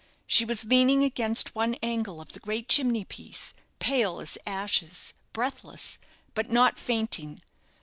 She was leaning against one angle of the great chimney piece, pale as ashes, breathless, but not fainting.